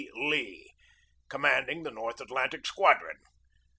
Lee, commanding the North Atlantic Squadron.